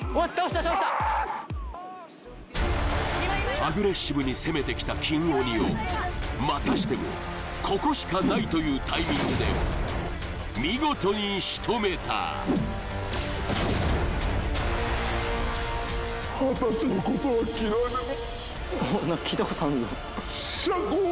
アグレッシブに攻めてきた金鬼をまたしてもここしかないというタイミングで見事にしとめたちょうだい！